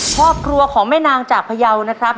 ครอบครัวของแม่นางจากพยาวนะครับ